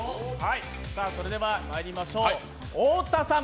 それではまいりましょう、太田さん